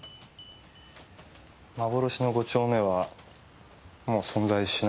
幻の５丁目はもう存在しないと。